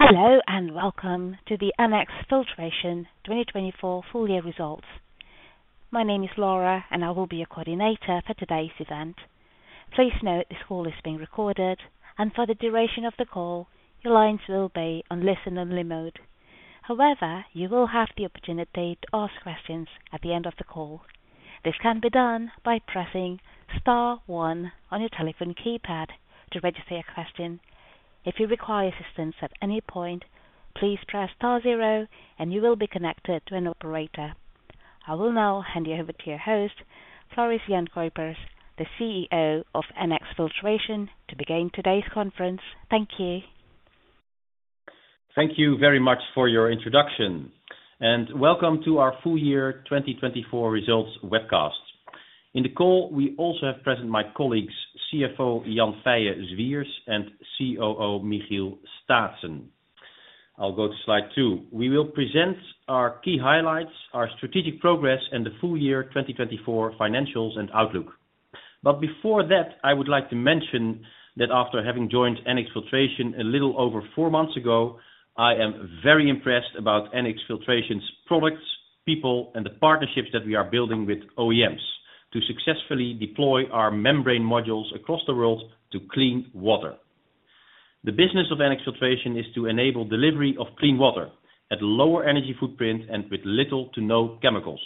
Hello and welcome to the NX Filtration 2024 full year results. My name is Laura, and I will be your coordinator for today's event. Please note this call is being recorded, and for the duration of the call, your lines will be on listen-only mode. However, you will have the opportunity to ask questions at the end of the call. This can be done by pressing star one on your telephone keypad to register your question. If you require assistance at any point, please press star zero, and you will be connected to an operator. I will now hand you over to your host, Floris Jan Cuypers, the CEO of NX Filtration, to begin today's conference. Thank you. Thank you very much for your introduction, and welcome to our full year 2024 results webcast. In the call, we also have present my colleagues, CFO Jan Feie Zwiers and COO Michiel Staatsen. I will go to slide two. We will present our key highlights, our strategic progress, and the full year 2024 financials and outlook. Before that, I would like to mention that after having joined NX Filtration a little over four months ago, I am very impressed about NX Filtration's products, people, and the partnerships that we are building with OEMs to successfully deploy our membrane modules across the world to clean water. The business of NX Filtration is to enable delivery of clean water at a lower energy footprint and with little to no chemicals.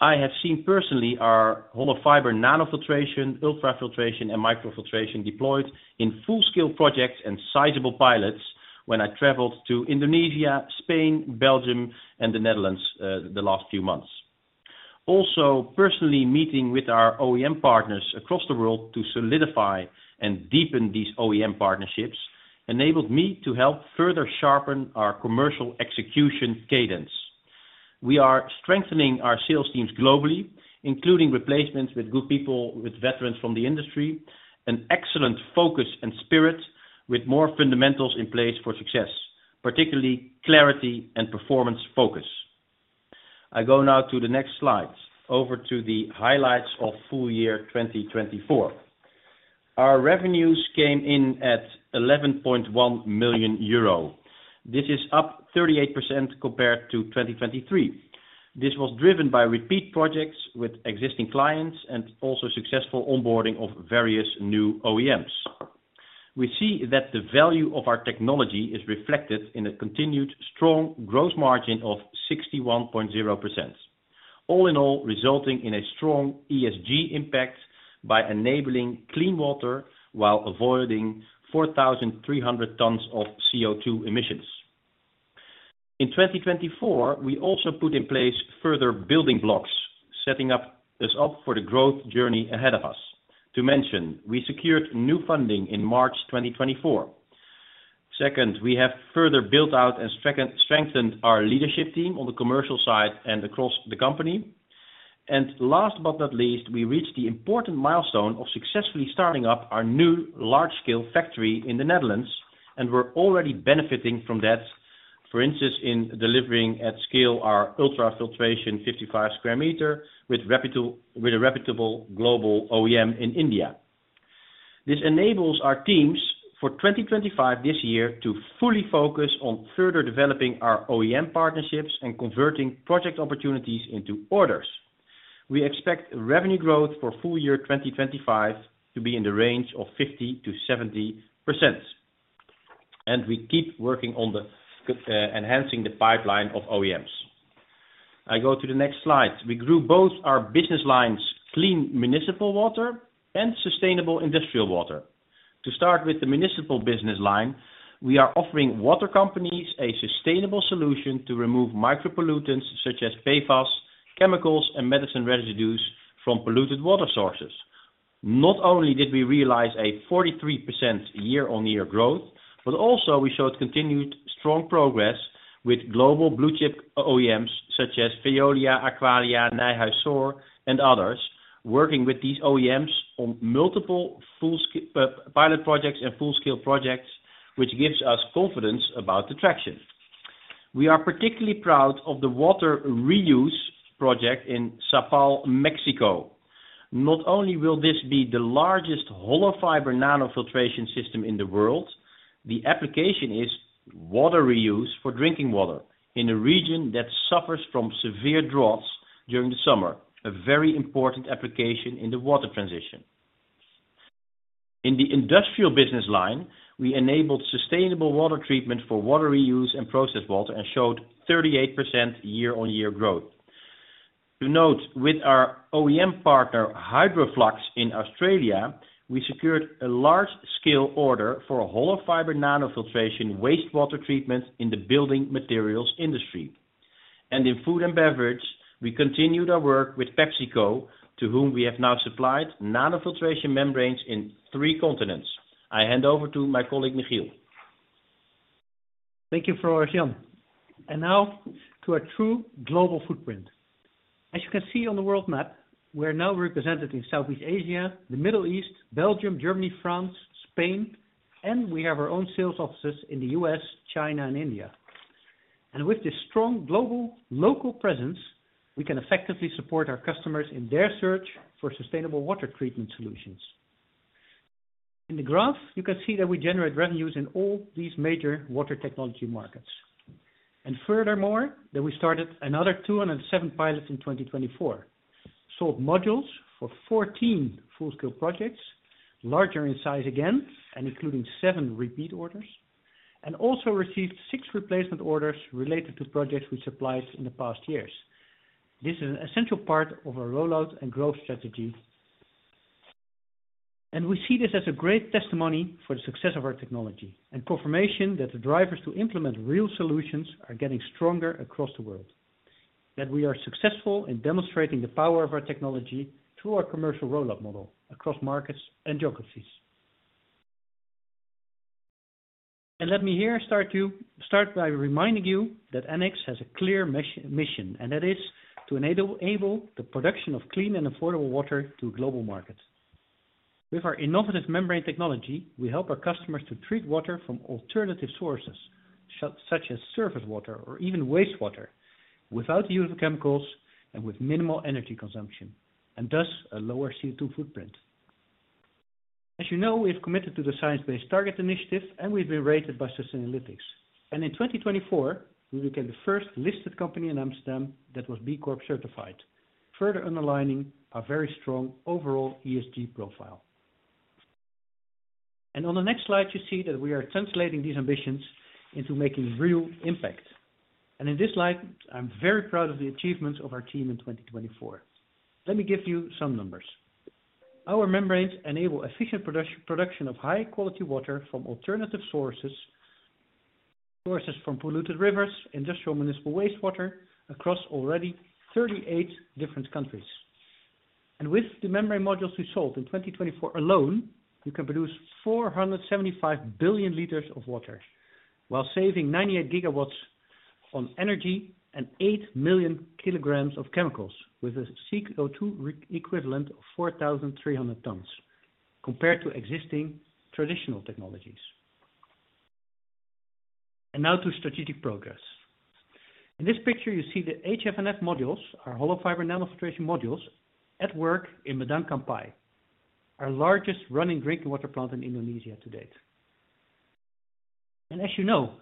I have seen personally our hollow fiber nanofiltration, ultrafiltration, and microfiltration deployed in full-scale projects and sizable pilots when I traveled to Indonesia, Spain, Belgium, and the Netherlands the last few months. Also, personally meeting with our OEM partners across the world to solidify and deepen these OEM partnerships enabled me to help further sharpen our commercial execution cadence. We are strengthening our sales teams globally, including replacements with good people, with veterans from the industry, an excellent focus and spirit, with more fundamentals in place for success, particularly clarity and performance focus. I go now to the next slide, over to the highlights of full year 2024. Our revenues came in at 11.1 million euro. This is up 38% compared to 2023. This was driven by repeat projects with existing clients and also successful onboarding of various new OEMs. We see that the value of our technology is reflected in a continued strong gross margin of 61.0%, all in all resulting in a strong ESG impact by enabling clean water while avoiding 4,300 tons of CO2 emissions. In 2024, we also put in place further building blocks, setting us up for the growth journey ahead of us. To mention, we secured new funding in March 2024. Second, we have further built out and strengthened our leadership team on the commercial side and across the company. Last but not least, we reached the important milestone of successfully starting up our new large-scale factory in the Netherlands, and we're already benefiting from that, for instance, in delivering at scale our ultrafiltration 55 square meter with a reputable global OEM in India. This enables our teams for 2025 this year to fully focus on further developing our OEM partnerships and converting project opportunities into orders. We expect revenue growth for full year 2025 to be in the range of 50%-70%, and we keep working on enhancing the pipeline of OEMs. I go to the next slide. We grew both our business lines, clean municipal water and sustainable industrial water. To start with the municipal business line, we are offering water companies a sustainable solution to remove micropollutants such as PFAS, chemicals, and medicine residues from polluted water sources. Not only did we realize a 43% year-on-year growth, but also we showed continued strong progress with global blue chip OEMs such as Veolia, Aqualia, Nijhuis Saur, and others, working with these OEMs on multiple pilot projects and full-scale projects, which gives us confidence about the traction. We are particularly proud of the water reuse project in Sapal, Mexico. Not only will this be the largest hollow fiber nanofiltration system in the world, the application is water reuse for drinking water in a region that suffers from severe droughts during the summer, a very important application in the water transition. In the industrial business line, we enabled sustainable water treatment for water reuse and processed water and showed 38% year-on-year growth. To note, with our OEM partner HydroFlux in Australia, we secured a large-scale order for hollow fiber nanofiltration wastewater treatment in the building materials industry. In food and beverage, we continued our work with PepsiCo, to whom we have now supplied nanofiltration membranes in three continents. I hand over to my colleague Michiel. Thank you, Floris Jan. Now to a true global footprint. As you can see on the world map, we're now represented in Southeast Asia, the Middle East, Belgium, Germany, France, Spain, and we have our own sales offices in the U.S., China, and India. With this strong global local presence, we can effectively support our customers in their search for sustainable water treatment solutions. In the graph, you can see that we generate revenues in all these major water technology markets. Furthermore, we started another 207 pilots in 2024, sold modules for 14 full-scale projects, larger in size again, including seven repeat orders, and also received six replacement orders related to projects we supplied in the past years. This is an essential part of our rollout and growth strategy. We see this as a great testimony for the success of our technology and confirmation that the drivers to implement real solutions are getting stronger across the world, that we are successful in demonstrating the power of our technology through our commercial rollout model across markets and geographies. Let me here start by reminding you that NX Filtration has a clear mission, and that is to enable the production of clean and affordable water to a global market. With our innovative membrane technology, we help our customers to treat water from alternative sources such as surface water or even wastewater without the use of chemicals and with minimal energy consumption, and thus a lower CO2 footprint. As you know, we have committed to the Science Based Targets Initiative, and we've been rated by Sustainalytics. In 2024, we became the first listed company in Amsterdam that was B Corp certified, further underlining our very strong overall ESG profile. On the next slide, you see that we are translating these ambitions into making real impact. In this light, I'm very proud of the achievements of our team in 2024. Let me give you some numbers. Our membranes enable efficient production of high-quality water from alternative sources from polluted rivers, industrial municipal wastewater across already 38 different countries. With the membrane modules we sold in 2024 alone, you can produce 475 billion liters of water while saving 98 gigawatts on energy and 8 million kilograms of chemicals with a CO2 equivalent of 4,300 tons compared to existing traditional technologies. Now to strategic progress. In this picture, you see the HFNF modules, our hollow fiber nanofiltration modules at work in Medang Kampai, our largest running drinking water plant in Indonesia to date. As you know,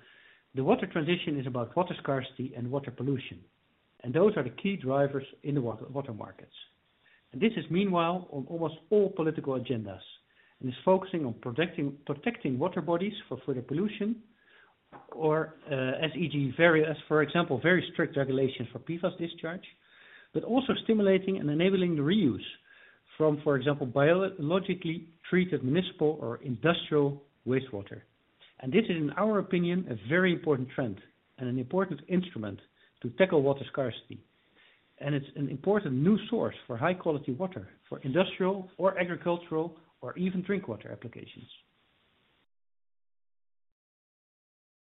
the water transition is about water scarcity and water pollution, and those are the key drivers in the water markets. This is meanwhile on almost all political agendas and is focusing on protecting water bodies for further pollution, or as, for example, very strict regulations for PFAS discharge, but also stimulating and enabling the reuse from, for example, biologically treated municipal or industrial wastewater. This is, in our opinion, a very important trend and an important instrument to tackle water scarcity. It is an important new source for high-quality water for industrial or agricultural or even drinking water applications.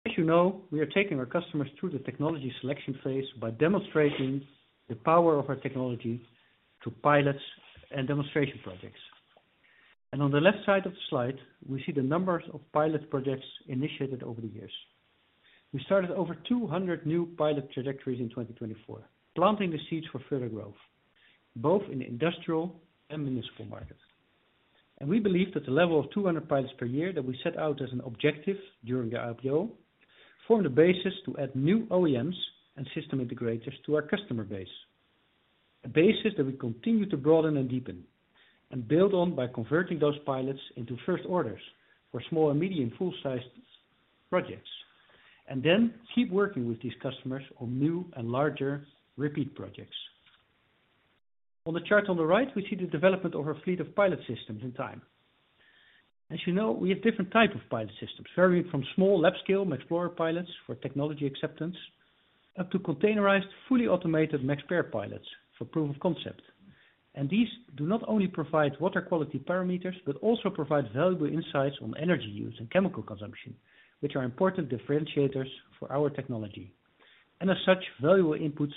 As you know, we are taking our customers through the technology selection phase by demonstrating the power of our technology through pilots and demonstration projects. On the left side of the slide, we see the numbers of pilot projects initiated over the years. We started over 200 new pilot trajectories in 2024, planting the seeds for further growth, both in the industrial and municipal markets. We believe that the level of 200 pilots per year that we set out as an objective during the IPO formed a basis to add new OEMs and system integrators to our customer base, a basis that we continue to broaden and deepen and build on by converting those pilots into first orders for small and medium full-sized projects, and then keep working with these customers on new and larger repeat projects. On the chart on the right, we see the development of our fleet of pilot systems in time. As you know, we have different types of pilot systems varying from small lab-scale MeXplore pilots for technology acceptance up to containerized, fully automated Mexper pilots for proof of concept. These do not only provide water quality parameters, but also provide valuable insights on energy use and chemical consumption, which are important differentiators for our technology, and as such, valuable inputs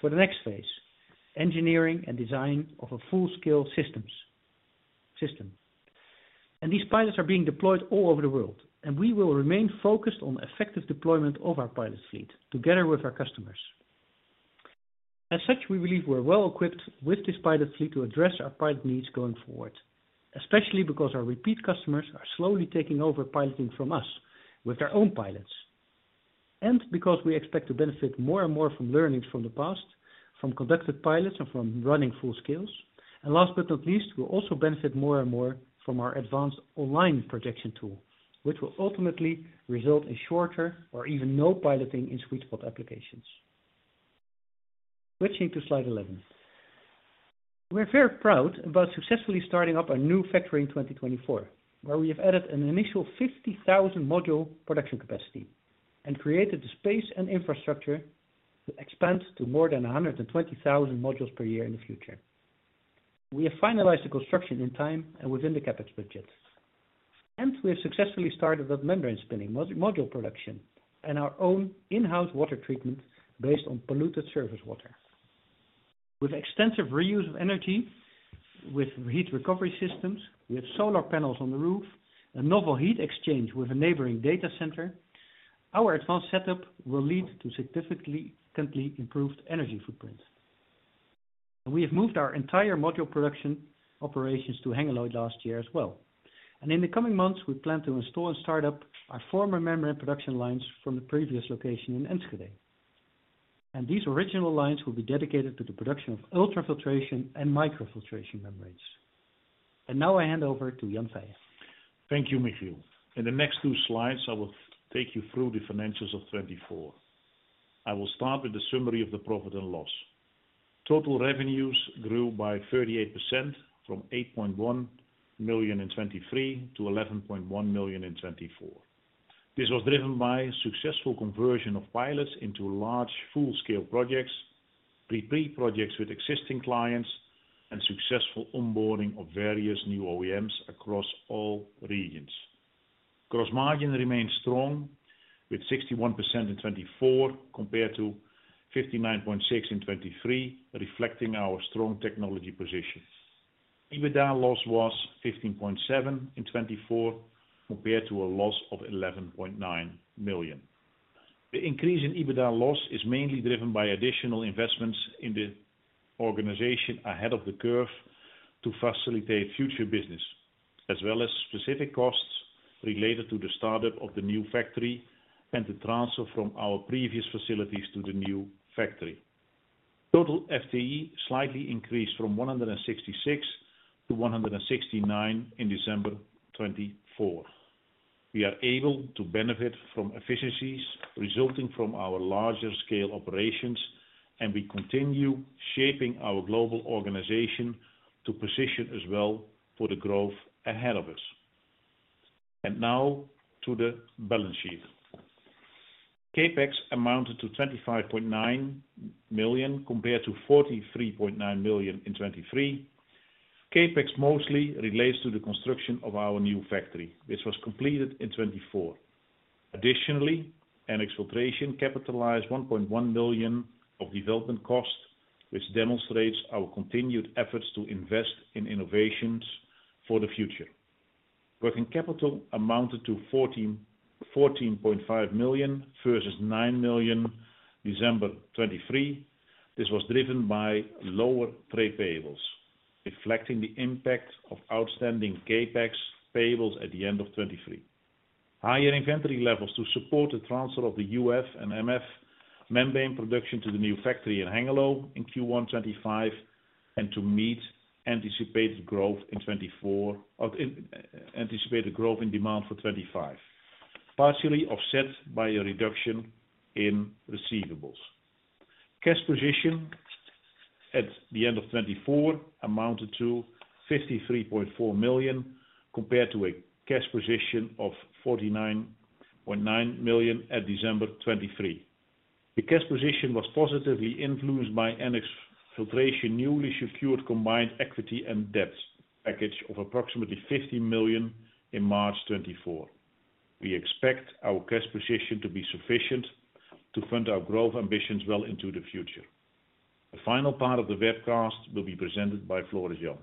for the next phase, engineering and design of a full-scale system. These pilots are being deployed all over the world, and we will remain focused on effective deployment of our pilot fleet together with our customers. As such, we believe we're well equipped with this pilot fleet to address our pilot needs going forward, especially because our repeat customers are slowly taking over piloting from us with their own pilots, and because we expect to benefit more and more from learnings from the past, from conducted pilots, and from running full-scales. Last but not least, we'll also benefit more and more from our advanced online projection tool, which will ultimately result in shorter or even no piloting in sweet spot applications. Switching to slide 11. We're very proud about successfully starting up a new factory in 2024, where we have added an initial 50,000 module production capacity and created the space and infrastructure to expand to more than 120,000 modules per year in the future. We have finalized the construction in time and within the CapEx budget. We have successfully started that membrane spinning module production and our own in-house water treatment based on polluted surface water. With extensive reuse of energy, with heat recovery systems, with solar panels on the roof, a novel heat exchange with a neighboring data center, our advanced setup will lead to significantly improved energy footprint. We have moved our entire module production operations to Hengelo last year as well. In the coming months, we plan to install and start up our former membrane production lines from the previous location in Enschede. These original lines will be dedicated to the production of ultrafiltration and microfiltration membranes. Now I hand over to Jan Feie. Thank you, Michiel. In the next two slides, I will take you through the financials of 2024. I will start with the summary of the profit and loss. Total revenues grew by 38% from 8.1 million in 2023 to 11.1 million in 2024. This was driven by successful conversion of pilots into large full-scale projects, repri projects with existing clients, and successful onboarding of various new OEMs across all regions. Gross margin remained strong with 61% in 2024 compared to 59.6% in 2023, reflecting our strong technology position. EBITDA loss was 15.7 million in 2024 compared to a loss of 11.9 million. The increase in EBITDA loss is mainly driven by additional investments in the organization ahead of the curve to facilitate future business, as well as specific costs related to the startup of the new factory and the transfer from our previous facilities to the new factory. Total FTE slightly increased from 166 to 169 in December 2024. We are able to benefit from efficiencies resulting from our larger scale operations, and we continue shaping our global organization to position as well for the growth ahead of us. Now to the balance sheet. Capex amounted to 25.9 million compared to 43.9 million in 2023. Capex mostly relates to the construction of our new factory, which was completed in 2024. Additionally, NX Filtration capitalized 1.1 million of development cost, which demonstrates our continued efforts to invest in innovations for the future. Working capital amounted to 14.5 million versus 9 million in December 2023. This was driven by lower trade payables, reflecting the impact of outstanding capex payables at the end of 2023. Higher inventory levels to support the transfer of the UF and MF membrane production to the new factory in Hengelo in Q1 2025 and to meet anticipated growth in 2024, anticipated growth in demand for 2025, partially offset by a reduction in receivables. Cash position at the end of 2024 amounted to 53.4 million compared to a cash position of 49.9 million at December 2023. The cash position was positively influenced by NX Filtration's newly secured combined equity and debt package of approximately 15 million in March 2024. We expect our cash position to be sufficient to fund our growth ambitions well into the future. The final part of the webcast will be presented by Floris Jan.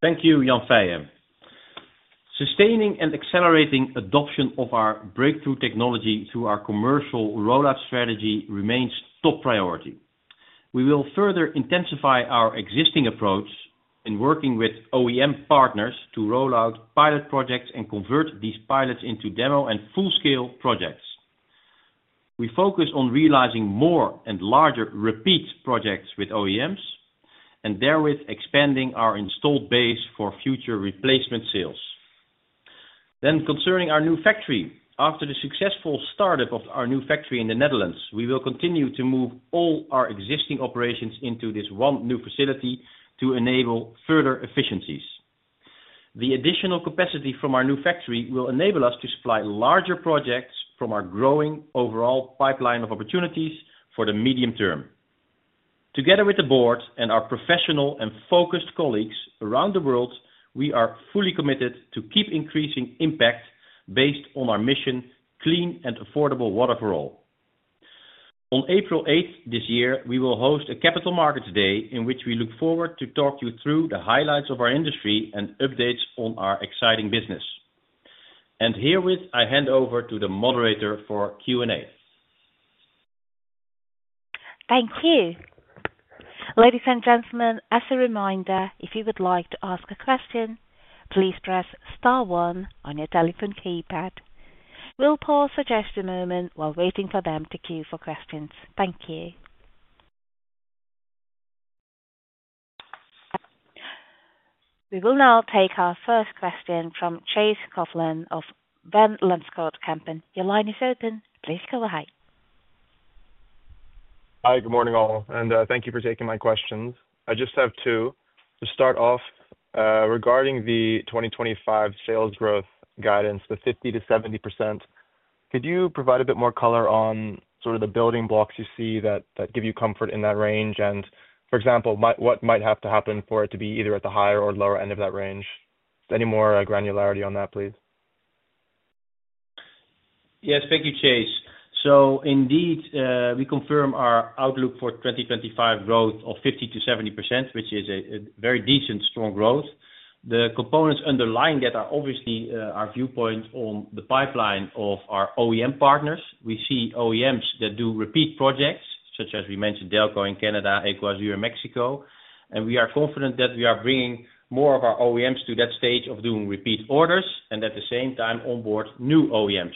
Thank you, Jan Feie. Sustaining and accelerating adoption of our breakthrough technology through our commercial rollout strategy remains top priority. We will further intensify our existing approach in working with OEM partners to rollout pilot projects and convert these pilots into demo and full-scale projects. We focus on realizing more and larger repeat projects with OEMs and therewith expanding our installed base for future replacement sales. Concerning our new factory, after the successful startup of our new factory in the Netherlands, we will continue to move all our existing operations into this one new facility to enable further efficiencies. The additional capacity from our new factory will enable us to supply larger projects from our growing overall pipeline of opportunities for the medium term. Together with the board and our professional and focused colleagues around the world, we are fully committed to keep increasing impact based on our mission, clean and affordable water for all. On April 8th this year, we will host a Capital Markets Day in which we look forward to talk you through the highlights of our industry and updates on our exciting business. Herewith, I hand over to the moderator for Q&A. Thank you. Ladies and gentlemen, as a reminder, if you would like to ask a question, please press star one on your telephone keypad. We'll pause just a moment while waiting for them to queue for questions. Thank you. We will now take our first question from Chase Coppelin of Van Lanschot Kempen. Your line is open. Please go ahead. Hi, good morning all, and thank you for taking my questions. I just have two to start off regarding the 2025 sales growth guidance, the 50-70%. Could you provide a bit more color on sort of the building blocks you see that give you comfort in that range? For example, what might have to happen for it to be either at the higher or lower end of that range? Any more granularity on that, please? Yes, thank you, Chase. We confirm our outlook for 2025 growth of 50-70%, which is a very decent strong growth. The components underlying that are obviously our viewpoint on the pipeline of our OEM partners. We see OEMs that do repeat projects, such as we mentioned, Delco in Canada, Equazur in Mexico. We are confident that we are bringing more of our OEMs to that stage of doing repeat orders and at the same time onboard new OEMs.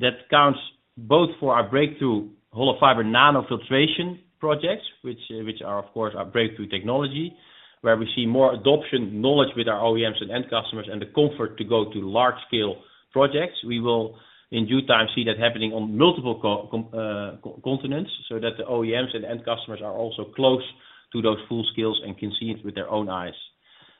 That counts both for our breakthrough hollow fiber nanofiltration projects, which are, of course, our breakthrough technology, where we see more adoption knowledge with our OEMs and end customers and the comfort to go to large-scale projects. We will, in due time, see that happening on multiple continents so that the OEMs and end customers are also close to those full-scales and can see it with their own eyes.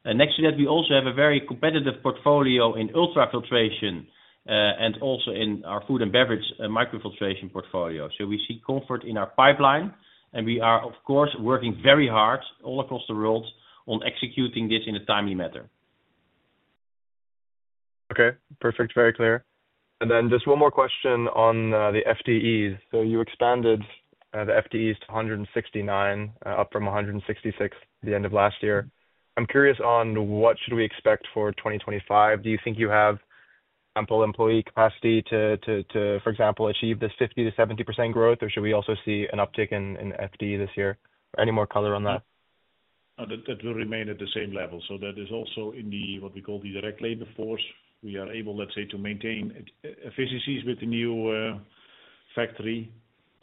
Next to that, we also have a very competitive portfolio in ultrafiltration and also in our food and beverage microfiltration portfolio. We see comfort in our pipeline, and we are, of course, working very hard all across the world on executing this in a timely manner. Okay, perfect, very clear. Just one more question on the FTEs. You expanded the FTEs to 169, up from 166 at the end of last year. I'm curious on what should we expect for 2025? Do you think you have ample employee capacity to, for example, achieve this 50-70% growth, or should we also see an uptick in FTE this year? Any more color on that? That will remain at the same level. That is also in what we call the direct labor force. We are able, let's say, to maintain efficiencies with the new factory.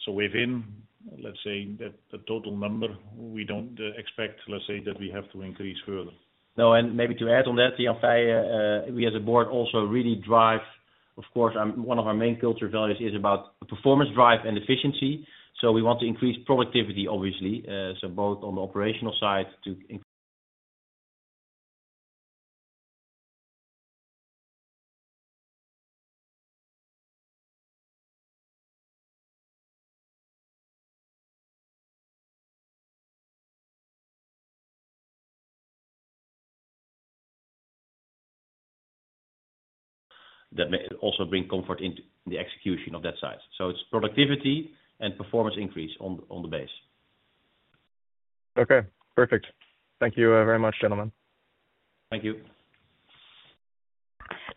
Within, let's say, the total number, we don't expect, let's say, that we have to increase further. No, and maybe to add on that, Jan Feie, we as a board also really drive, of course, one of our main culture values is about performance drive and efficiency. We want to increase productivity, obviously, both on the operational side too. That may also bring comfort into the execution of that side. It is productivity and performance increase on the base. Okay, perfect. Thank you very much, gentlemen. Thank you.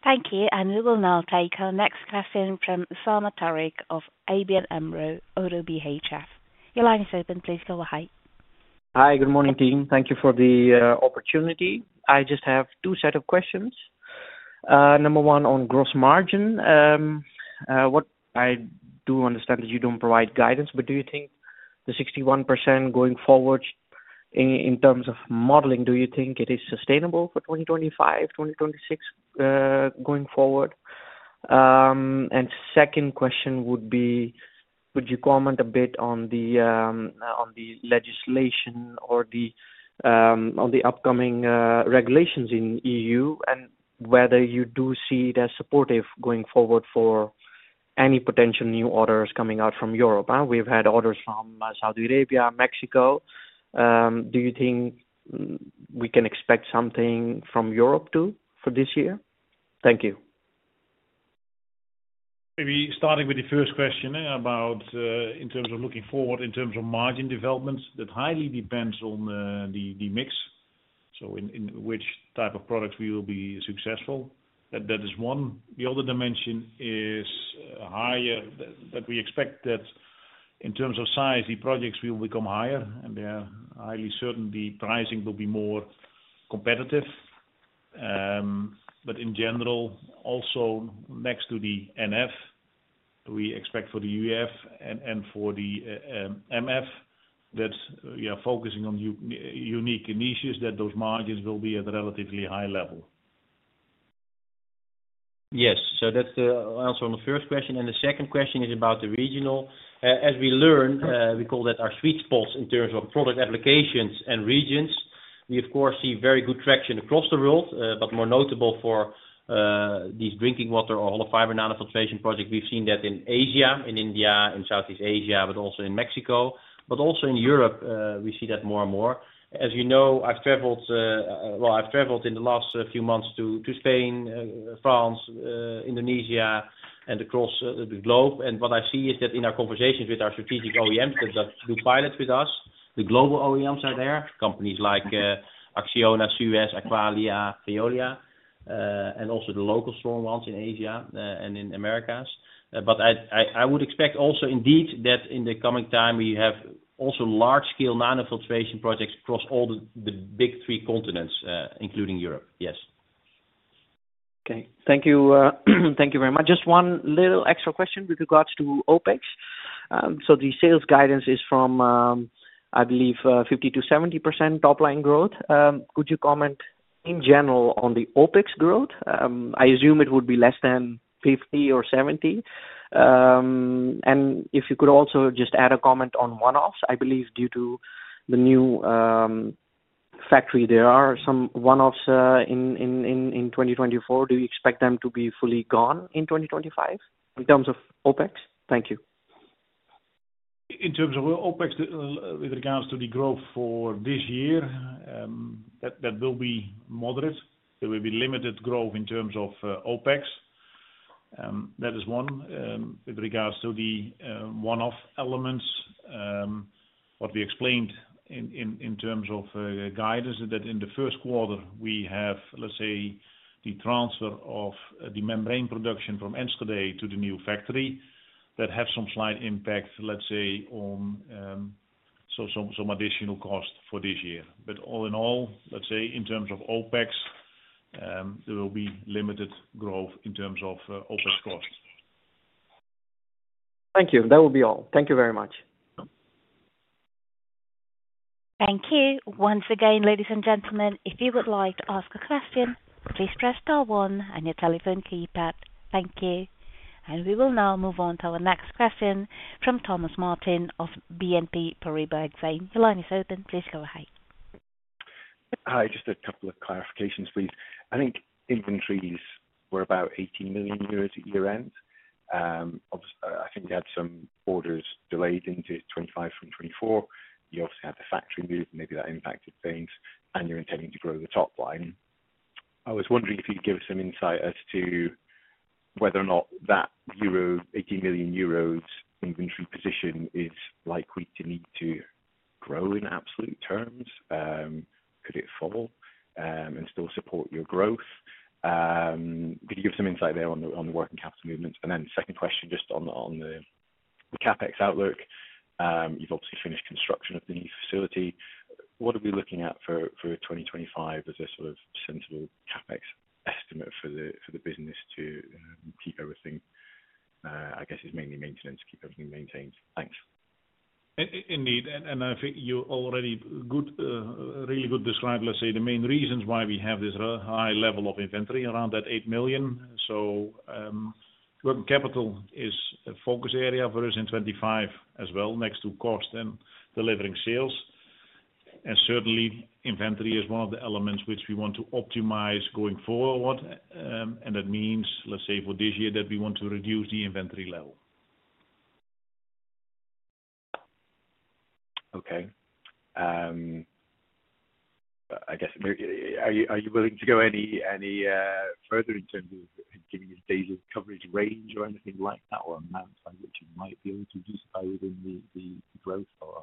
Thank you. We will now take our next question from Usama Tariq of ABN AMRO- ODDO BHF. Your line is open. Please go ahead. Hi, good morning, team. Thank you for the opportunity. I just have two sets of questions. Number one on gross margin. I do understand that you do not provide guidance, but do you think the 61% going forward in terms of modeling, do you think it is sustainable for 2025, 2026 going forward? Second question would be, would you comment a bit on the legislation or on the upcoming regulations in the EU and whether you do see it as supportive going forward for any potential new orders coming out from Europe? We have had orders from Saudi Arabia, Mexico. Do you think we can expect something from Europe too for this year? Thank you. Maybe starting with the first question about in terms of looking forward in terms of margin developments, that highly depends on the mix. So in which type of products we will be successful. That is one. The other dimension is higher that we expect that in terms of size, the projects will become higher, and they are highly certain the pricing will be more competitive. In general, also next to the NF, we expect for the UF and for the MF that we are focusing on unique initiatives, that those margins will be at a relatively high level. Yes, so that's the answer on the first question. The second question is about the regional. As we learn, we call that our sweet spots in terms of product applications and regions. We, of course, see very good traction across the world, but more notable for these drinking water or hollow fiber nanofiltration projects. We've seen that in Asia, in India, in Southeast Asia, but also in Mexico. Also in Europe, we see that more and more. As you know, I've traveled in the last few months to Spain, France, Indonesia, and across the globe. What I see is that in our conversations with our strategic OEMs that do pilots with us, the global OEMs are there, companies like Axiona, Suez, Aqualia, Veolia, and also the local strong ones in Asia and in the Americas. I would expect also indeed that in the coming time, we have also large-scale nanofiltration projects across all the big three continents, including Europe. Yes. Okay, thank you very much. Just one little extra question with regards to OpEx. The sales guidance is from, I believe, 50-70% top-line growth. Could you comment in general on the OpEx growth? I assume it would be less than 50 or 70. If you could also just add a comment on one-offs, I believe due to the new factory, there are some one-offs in 2024. Do you expect them to be fully gone in 2025 in terms of OpEx? Thank you. In terms of OpEx, with regards to the growth for this year, that will be moderate. There will be limited growth in terms of OpEx. That is one. With regards to the one-off elements, what we explained in terms of guidance, that in the first quarter, we have, let's say, the transfer of the membrane production from Enschede to the new factory that has some slight impact, let's say, on some additional cost for this year. All in all, let's say, in terms of OpEx, there will be limited growth in terms of OpEx cost. Thank you. That will be all. Thank you very much. Thank you. Once again, ladies and gentlemen, if you would like to ask a question, please press star one on your telephone keypad. Thank you. We will now move on to our next question from Thomas Martin of BNP Paribas. Your line is open. Please go ahead. Hi, just a couple of clarifications, please. I think inventories were about 18 million euros at year-end. I think you had some orders delayed into 2025 from 2024. You obviously had the factory moved, and maybe that impacted things, and you're intending to grow the top line. I was wondering if you could give us some insight as to whether or not that 18 million euros inventory position is likely to need to grow in absolute terms. Could it fall and still support your growth? Could you give some insight there on the working capital movements? The second question, just on the CapEx outlook, you've obviously finished construction of the new facility. What are we looking at for 2025 as a sort of sensible CapEx estimate for the business to keep everything, I guess, is mainly maintenance, keep everything maintained? Thanks. Indeed. I think you already really good described, let's say, the main reasons why we have this high level of inventory around that 8 million. Working capital is a focus area for us in 2025 as well, next to cost and delivering sales. Certainly, inventory is one of the elements which we want to optimize going forward. That means, let's say, for this year, that we want to reduce the inventory level. Okay. I guess, are you willing to go any further in terms of giving your daily coverage range or anything like that, or amounts by which you might be able to justify within the growth or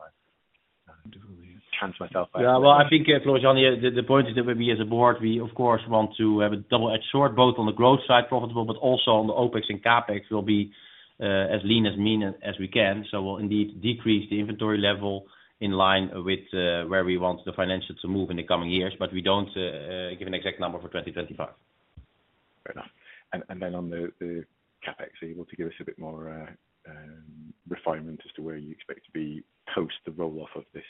chance myself? Yeah, I think, Florian, the point is that maybe as a board, we, of course, want to have a double-edged sword, both on the growth side, profitable, but also on the OpEx and CapEx, will be as lean as mean as we can. We'll indeed decrease the inventory level in line with where we want the financial to move in the coming years, but we don't give an exact number for 2025. Fair enough. On the CapEx, are you able to give us a bit more refinement as to where you expect to be post the rolloff of this?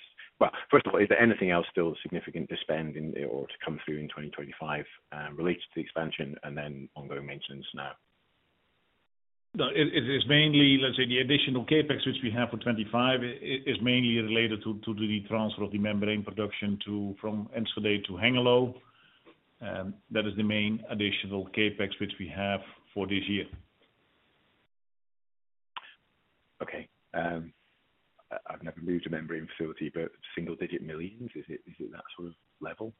First of all, is there anything else still significant to spend or to come through in 2025 related to the expansion and then ongoing maintenance now? It is mainly, let's say, the additional CapEx, which we have for 2025, is mainly related to the transfer of the membrane production from Enschede to Hengelo. That is the main additional CapEx which we have for this year. Okay. I've never moved a membrane facility, but single-digit millions, is it that sort of level?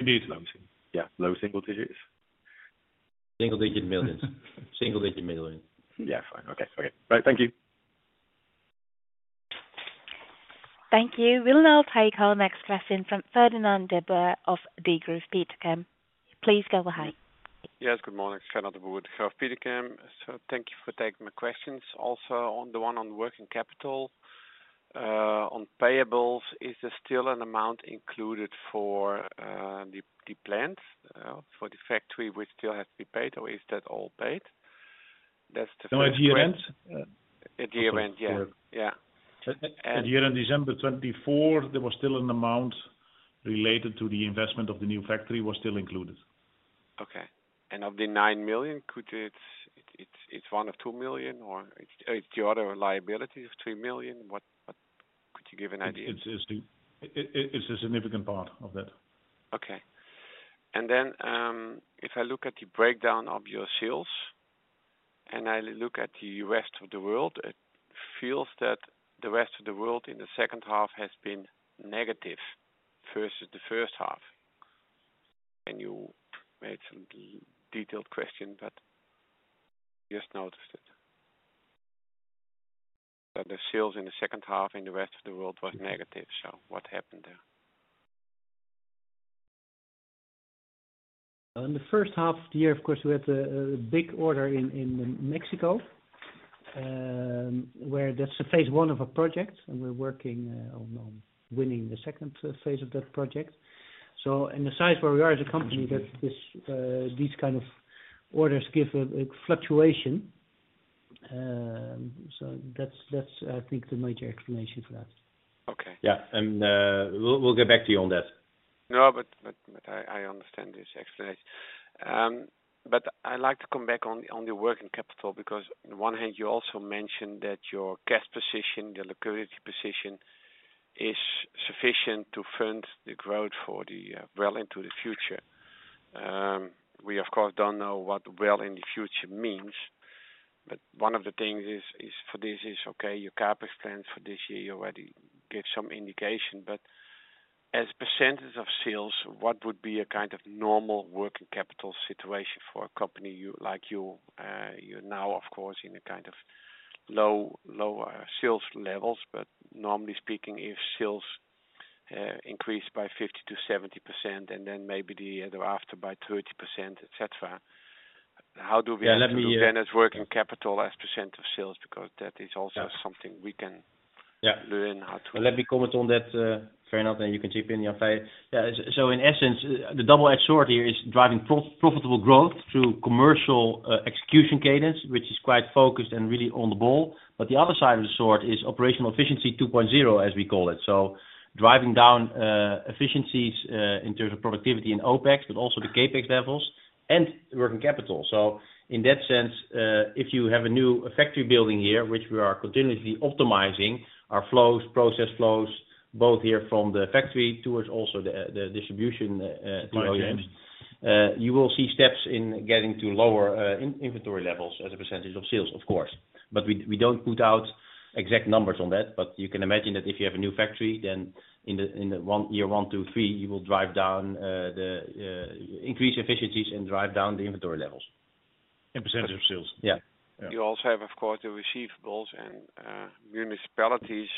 It is low. Yeah, low single digits? Single-digit millions. Single-digit millions. Yeah, fine. Okay, okay. Right, thank you. Thank you. We'll now take our next question from Ferdinand De Beur of Degroof Petercam. Please go ahead. Yes, good morning. Ferdinand De Beur of Degroof Petercam. Thank you for taking my questions. Also on the one on working capital, on payables, is there still an amount included for the plant, for the factory which still has to be paid, or is that all paid? That's the first question. No, at year-end. At year-end, yeah. Yeah. At year-end December 2024, there was still an amount related to the investment of the new factory was still included. Okay. Of the 9 million, is it one of 2 million, or is it the other liability of 3 million? What could you give an idea? It's a significant part of that. Okay. If I look at the breakdown of your sales, and I look at the rest of the world, it feels that the rest of the world in the second half has been negative versus the first half. Can you, maybe it's a detailed question, but I just noticed it. The sales in the second half in the rest of the world was negative. What happened there? In the first half of the year, of course, we had a big order in Mexico, where that's a phase one of a project, and we're working on winning the second phase of that project. In the size where we are as a company, these kind of orders give a fluctuation. That's, I think, the major explanation for that. Okay. Yeah. We will get back to you on that. No, I understand this explanation. I'd like to come back on the working capital because on the one hand, you also mentioned that your cash position, your liquidity position, is sufficient to fund the growth for well into the future. We, of course, do not know what well into the future means. One of the things for this is, okay, your CapEx plans for this year already give some indication. As a percentage of sales, what would be a kind of normal working capital situation for a company like you? You are now, of course, in a kind of low sales levels, but normally speaking, if sales increase by 50-70%, and then maybe the year thereafter by 30%, etc., how do we then as working capital, as percent of sales, because that is also something we can learn how to. Let me comment on that, Ferdinand, and you can chip in, Jan Feie. Yeah. In essence, the double-edged sword here is driving profitable growth through commercial execution cadence, which is quite focused and really on the ball. The other side of the sword is operational efficiency 2.0, as we call it. Driving down efficiencies in terms of productivity and OpEx, but also the CapEx levels and working capital. In that sense, if you have a new factory building here, which we are continuously optimizing our flows, process flows, both here from the factory towards also the distribution to OEMs, you will see steps in getting to lower inventory levels as a percentage of sales, of course. We don't put out exact numbers on that, but you can imagine that if you have a new factory, then in the year one, two, three, you will drive down the increase efficiencies and drive down the inventory levels. In percentage of sales. Yeah. You also have, of course, the receivables, and municipalities,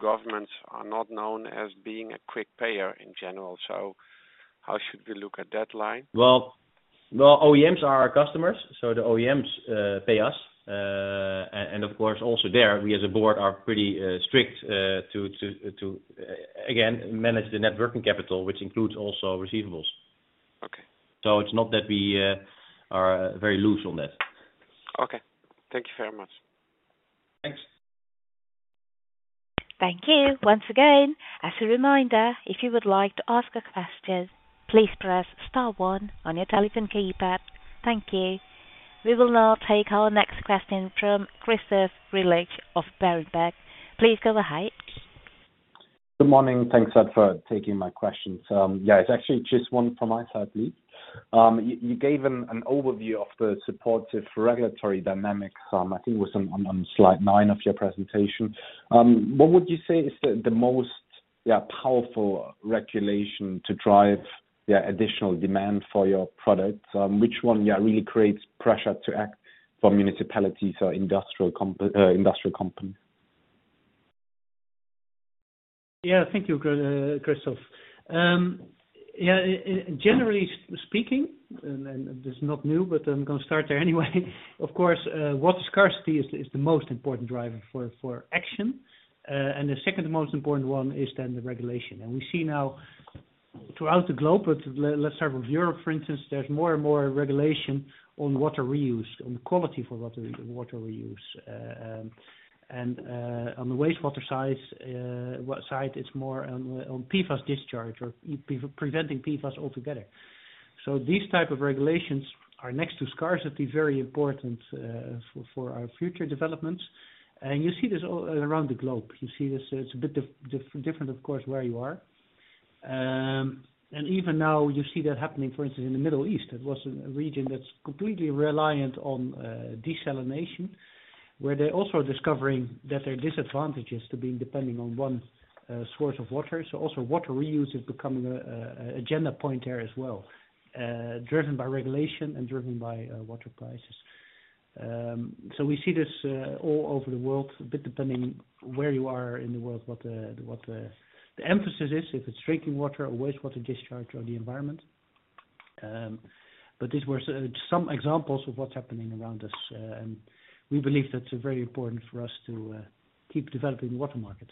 governments are not known as being a quick payer in general. How should we look at that line? OEMs are our customers. So the OEMs pay us. And of course, also there, we as a board are pretty strict to, again, manage the net working capital, which includes also receivables. So it's not that we are very loose on that. Okay. Thank you very much. Thanks. Thank you. Once again, as a reminder, if you would like to ask a question, please press star one on your telephone keypad. Thank you. We will now take our next question from Christoph Greulich of Berenberg. Please go ahead. Good morning. Thanks for taking my question. Yeah, it's actually just one from my side, please. You gave an overview of the supportive regulatory dynamics, I think it was on slide nine of your presentation. What would you say is the most powerful regulation to drive additional demand for your products? Which one really creates pressure to act for municipalities or industrial companies? Yeah, thank you, Christoph. Yeah, generally speaking, and this is not new, but I'm going to start there anyway. Of course, water scarcity is the most important driver for action. The second most important one is then the regulation. We see now throughout the globe, but let's start with Europe, for instance, there's more and more regulation on water reuse, on the quality of water reuse. On the wastewater side, it's more on PFAS discharge or preventing PFAS altogether. These types of regulations are next to scarcity very important for our future developments. You see this all around the globe. You see this. It's a bit different, of course, where you are. Even now, you see that happening, for instance, in the Middle East. It was a region that's completely reliant on desalination, where they're also discovering that there are disadvantages to being dependent on one source of water. Water reuse is becoming an agenda point there as well, driven by regulation and driven by water prices. We see this all over the world, a bit depending where you are in the world, what the emphasis is, if it's drinking water or wastewater discharge or the environment. These were some examples of what's happening around us. We believe that's very important for us to keep developing the water market.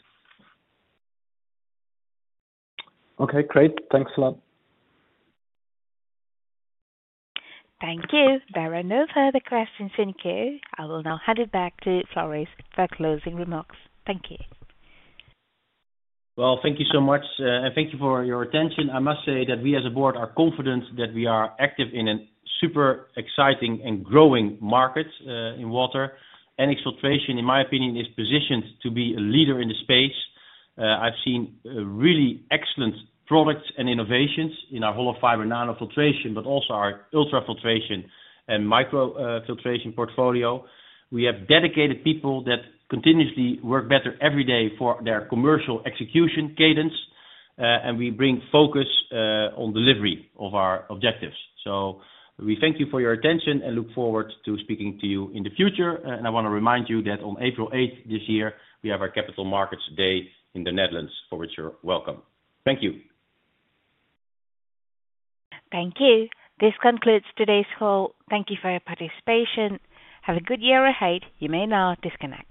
Okay, great. Thanks a lot. Thank you. There are no further questions in queue. I will now hand it back to Floris for closing remarks. Thank you. Thank you so much. Thank you for your attention. I must say that we as a board are confident that we are active in a super exciting and growing market in water. NX Filtration, in my opinion, is positioned to be a leader in the space. I've seen really excellent products and innovations in our hollow fiber nanofiltration, but also our ultrafiltration and microfiltration portfolio. We have dedicated people that continuously work better every day for their commercial execution cadence, and we bring focus on delivery of our objectives. We thank you for your attention and look forward to speaking to you in the future. I want to remind you that on April 8th this year, we have our Capital Markets Day in the Netherlands, for which you're welcome. Thank you. Thank you. This concludes today's call. Thank you for your participation. Have a good year ahead. You may now disconnect.